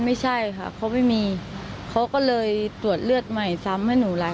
ไม่ใช่ค่ะเขาไม่มีเขาก็เลยตรวจเลือดใหม่ซ้ำให้หนูไหล